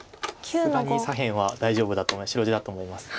さすがに左辺は大丈夫だと白地だと思います。